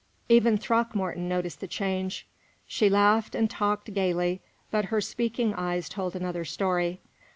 Even Throckmorton noticed the change. She laughed and talked gayly, but her speaking eyes told another story.